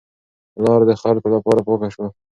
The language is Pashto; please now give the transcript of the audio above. لار د خلکو لپاره پاکه شوه.